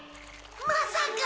まさか！